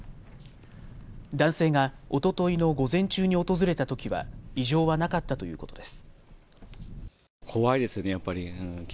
男性がおとといの午前中に訪れたときは異常はなかったということです。